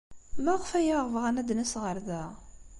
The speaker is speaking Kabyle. Maɣef ay aɣ-bɣan ad d-nas ɣer da?